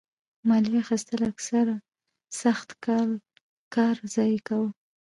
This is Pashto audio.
مالیه اخیستل اکثره سخت کال کار ضایع کاوه.